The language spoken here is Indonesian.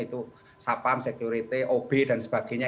itu sapam security ob dan sebagainya